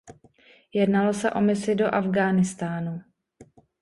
Jednalo se o misi do Afghánistánu.